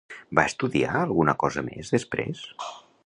Va estudiar alguna cosa més després?